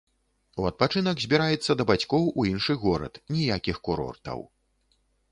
У адпачынак збіраецца да бацькоў у іншы горад, ніякіх курортаў.